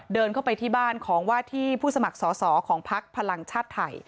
เดินเข้าไปที่บ้านของว่าที่ผู้สมัครสอสอของพักพลังชาติไทย